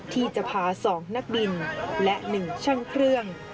ที่จะพาสองนักบินและหนึ่งช่างเครื่อง